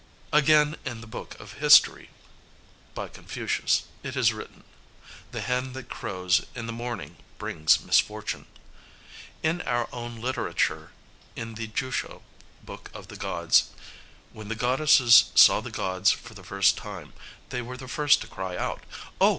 Again, in the "Book of History," by Confucius, it is written, "The hen that crows in the morning brings misfortune." In our own literature in the Jusho (Book of the Gods), "When the goddesses saw the gods for the first time, they were the first to cry cut, 'Oh!